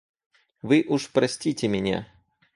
Вы уж простите меня.